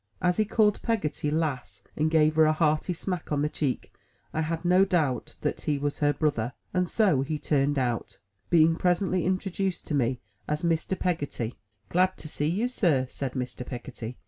As he called Peggotty ''Lass,'' and gave her a hearty smack on the cheek, I had no doubt that he was her brother; and so he turned out; being presently introduced to me as Mr. Peggotty. 103 MY BOOK HOUSE "Glad to see you, Sir/' said Mr. Peggotty.